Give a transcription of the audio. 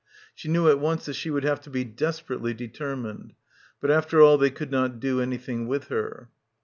She knew at once that she would have to be desperately determined. ... But after all they could not do anything with her.